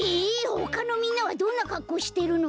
ほかのみんなはどんなかっこうしてるの？